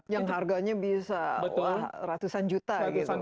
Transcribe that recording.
yang harganya bisa ratusan juta